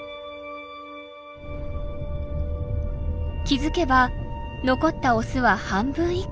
気付けば残ったオスは半分以下。